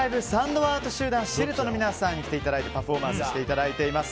アート集団ＳＩＬＴの皆さんに来ていただいてパフォーマンスしていただいています。